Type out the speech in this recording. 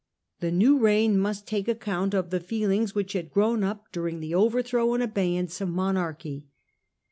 The new reign must take account of the feelings which had grown up during the overthrow and abeyance of monarchy.